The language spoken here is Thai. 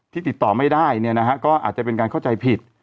ที่ติดต่อไม่ได้เนี่ยนะฮะก็อาจจะเป็นการเข้าใจผิด